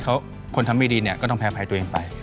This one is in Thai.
เขาคนทำไม่ดีเนี่ยก็ต้องแพ้ภัยตัวเองไป